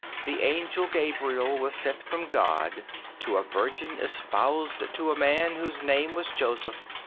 "The Angel Gabriel was sent from God ... to a Virgin espoused to a man whose name was Joseph